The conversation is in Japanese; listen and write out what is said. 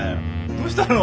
どうしたの？